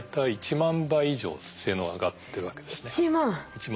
１万！